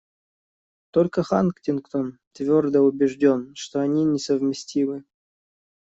Только Хантингтон твердо убежден, что они несовместимы.